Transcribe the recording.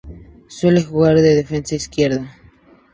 Suele jugar de defensa izquierdo.